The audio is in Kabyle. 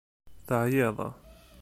Teɛyiḍ.